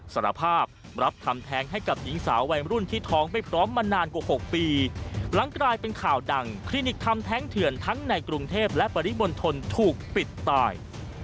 สารภาพรับทำแท้งให้กับหญิงสาววัยรุ่นที่ท้องไม่พร้อมมานานกว่า๖ปีหลังกลายเป็นข่าวดังคลินิกทำแท้งเถื่อนทั้งในกรุงเทพและปริมณฑลถูกปิดตาย